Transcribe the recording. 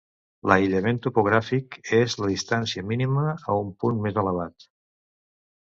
L'aïllament topogràfic és la distància mínima a un punt més elevat.